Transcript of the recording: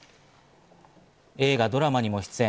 映画・ドラマにも出演。